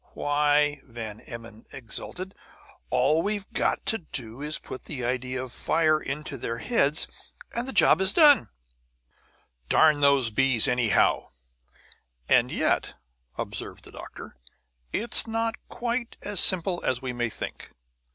"Why," Van Emmon exulted, "all we've got to do is put the idea of fire into their heads, and the job is done!" He jumped around in his chair. "Darn those bees, anyhow!" "And yet," observed the doctor, "it's not quite as simple as we may think.